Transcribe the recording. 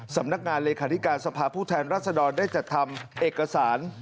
สำนักงานเลขาธิการสภาพผู้แทนรัศดรได้จัดทำเอกสาร